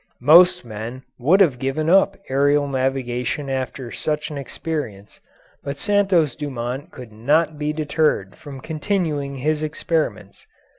Most men would have given up aerial navigation after such an experience, but Santos Dumont could not be deterred from continuing his experiments.